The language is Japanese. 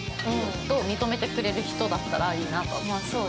認めてくれる人だったら、いいなと思う。